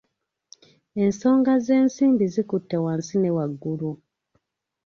Ensonga z’ensimbi zikutte wansi ne waggulu.